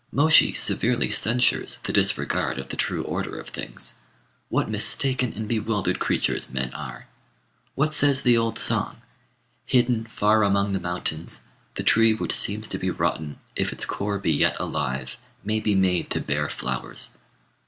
Môshi severely censures the disregard of the true order of things. What mistaken and bewildered creatures men are! What says the old song? "Hidden far among the mountains, the tree which seems to be rotten, if its core be yet alive, may be made to bear flowers."